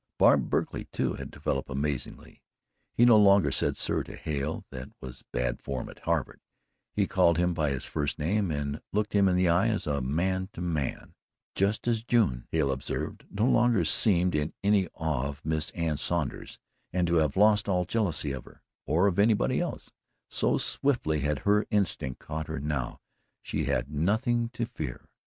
Bob Berkley, too, had developed amazingly. He no longer said "Sir" to Hale that was bad form at Harvard he called him by his first name and looked him in the eye as man to man: just as June Hale observed no longer seemed in any awe of Miss Anne Saunders and to have lost all jealousy of her, or of anybody else so swiftly had her instinct taught her she now had nothing to fear.